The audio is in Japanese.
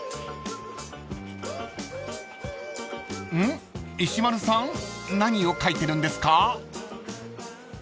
［ん？石丸さん何を描いてるんですか？］